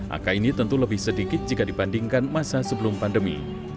angka ini tentu lebih sedikit jika dibandingkan masa sebelum pandemi